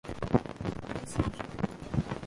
德先生